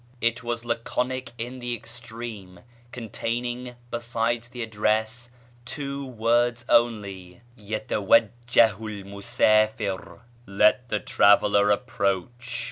It was laconic in the extreme, containing, besides the address, two words only: "Yatawajjahu 'l musáfir" ("Let the traveller approach").